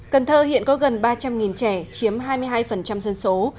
cần thơ hiện có gần ba trăm linh trẻ chiếm hai mươi hai dân số